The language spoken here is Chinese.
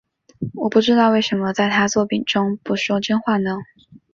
我不知道为什么在他作品中不说真话呢？